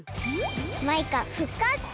マイカふっかつ！